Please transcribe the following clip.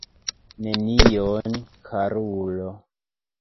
Nenion, karulo.